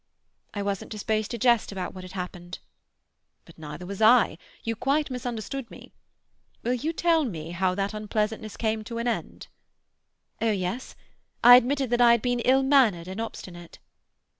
"I wasn't disposed to jest about what had happened." "But neither was I. You quite misunderstood me. Will you tell me how that unpleasantness came to an end?" "Oh yes. I admitted that I had been ill mannered and obstinate."